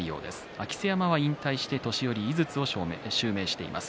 明瀬山は引退して年寄井筒を襲名しています。